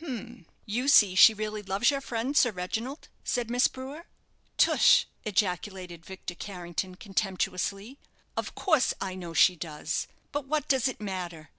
"H m, you see she really loves your friend, Sir Reginald," said Miss Brewer. "Tush," ejaculated Victor Carrington, contemptuously; "of course I know she does, but what does it matter?